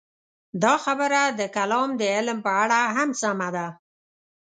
دا خبره د کلام د علم په اړه هم سمه ده.